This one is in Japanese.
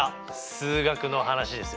数学の話ですよね。